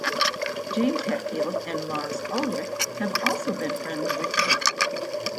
James Hetfield and Lars Ulrich have also been friendly with the band.